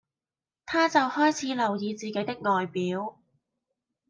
她就開始留意自己的外表